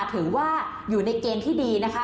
ถือว่าอยู่ในเกณฑ์ที่ดีนะคะ